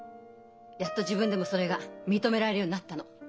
やっと自分でもそれが認められるようになったの。